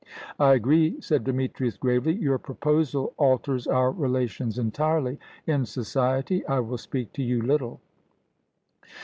"I agree," said Demetrius, gravely; "your proposal alters our relations entirely. In society, I will speak to you little."